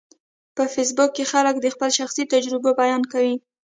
په فېسبوک کې خلک د خپلو شخصیتي تجربو بیان کوي